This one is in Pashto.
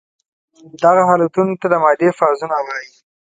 دغه حالتونو ته د مادې فازونه وايي.